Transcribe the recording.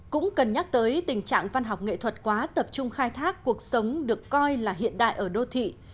cũng cần nhắc tới tình trạng văn học nghệ thuật quá tập trung khai thác cuộc sống được coi là hiện đại ở đô thị